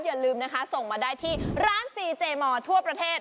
อย่าลืมนะคะส่งมาได้ที่ร้านซีเจมอร์ทั่วประเทศ